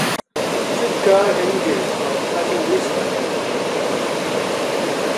Streetcar engines from Katowice were acquired.